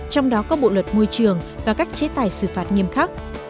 trong đó có bộ luật môi trường và các chế tài xử phạt nghiêm khắc